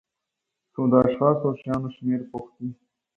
څو د اشخاصو او شیانو شمېر پوښتي.